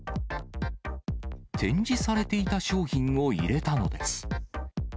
展示されていた商品を入れたのです。